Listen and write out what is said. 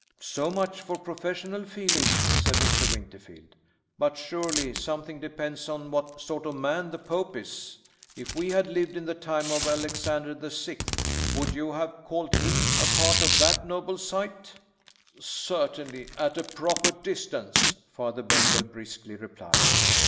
"So much for professional feeling!" said Mr. Winterfield. "But, surely, something depends on what sort of man the Pope is. If we had lived in the time of Alexander the Sixth, would you have called him a part of that noble sight?" "Certainly at a proper distance," Father Benwell briskly replied.